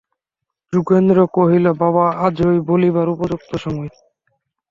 যোগেন্দ্র কহিল, বাবা, আজই বলিবার উপযুক্ত সময়।